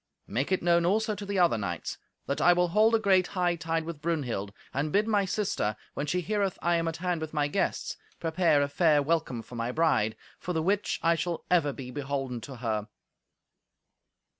Make it known also to the other knights that I will hold a great hightide with Brunhild; and bid my sister, when she heareth I am at hand with my guests, prepare a fair welcome for my bride; for the which I shall ever be beholden to her."